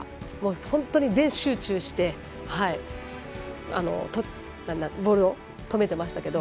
本当に全集中してボールを止めていましたけど。